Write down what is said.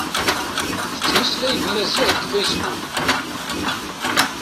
Tettmeslay d Maziɣ deg fasebbuk.